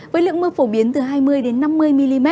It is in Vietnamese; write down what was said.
với lượng mưa phổ biến từ hai mươi năm mươi mm